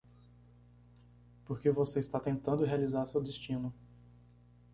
Porque você está tentando realizar seu destino.